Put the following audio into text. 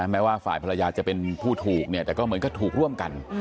แม้ว่าฝ่ายภรรยาจะเป็นผู้ถูกเนี่ยแต่ก็เหมือนก็ถูกร่วมกัน